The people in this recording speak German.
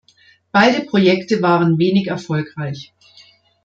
Beide Projekte waren wenig erfolgreich.